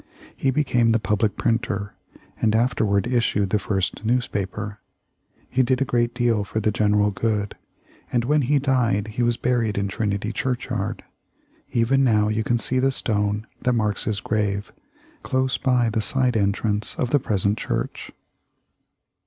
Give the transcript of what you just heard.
He became the public printer, and afterward issued the first newspaper. He did a great deal for the general good, and when he died he was buried in Trinity Church yard. Even now you can see the stone that marks his grave, close by the side entrance of the present church.